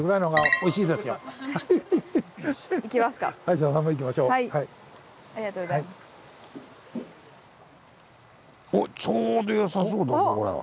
おっちょうどよさそうだぞこれは。